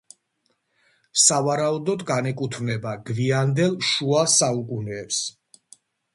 სავარაუდოდ განეკუთვნება გვიანდელ შუა საუკუნეებს.